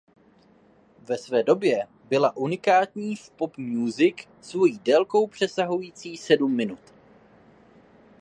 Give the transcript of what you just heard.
Ve své době byla unikátní v pop music svojí délkou přesahující sedm minut.